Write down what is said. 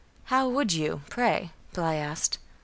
"How would you, pray?" Bly asked.